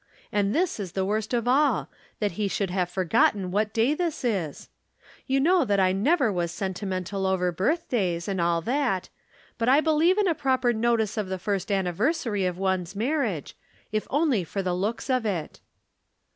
And this is the worst of all, that he should have forgotten what day this is ! You know that I never was sentimental over birthdaj^s, and all that ; but I believe in a proper notice of the first anniversary of one's marriage, if only for the looks of it.